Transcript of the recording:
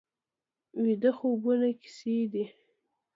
ویده خوبونه کیسې دي